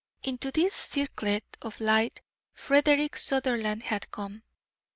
Into this circlet of light Frederick Sutherland had come.